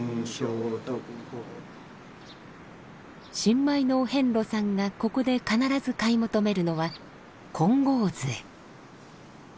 新米のお遍路さんがここで必ず買い求めるのは金剛杖。